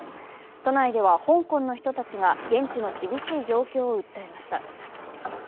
都内では香港の人たちが現地の厳しい状況を訴えました。